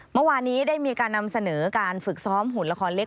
เมื่อวานนี้ได้มีการนำเสนอการฝึกซ้อมหุ่นละครเล็ก